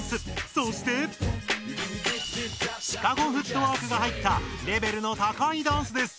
そしてシカゴフットワークが入ったレベルの高いダンスです。